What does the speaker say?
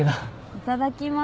いただきます。